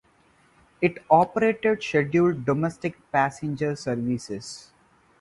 It operated scheduled domestic passenger services.